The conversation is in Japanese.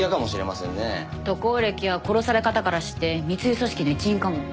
渡航歴や殺され方からして密輸組織の一員かも。